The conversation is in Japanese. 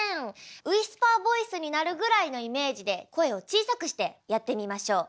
ウイスパーボイスになるぐらいのイメージで声を小さくしてやってみましょう。